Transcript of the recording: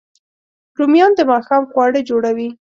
رومیان د ماښام خواړه جوړوي